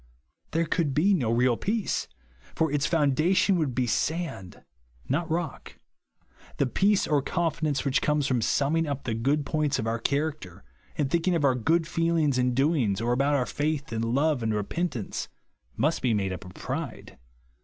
There could be no real peace ; for its foundation would be Kand. i.ot rock. The peace or confidence NO GROUND OF PEACE. 23 whicli come from summing up tlio good points of our character, and thinking of our good feelings and doings, or about our faith, and love, and repentance, must be made up of pride.